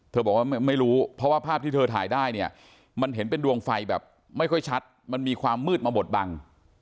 บอกว่าไม่รู้เพราะว่าภาพที่เธอถ่ายได้เนี่ยมันเห็นเป็นดวงไฟแบบไม่ค่อยชัดมันมีความมืดมาบดบัง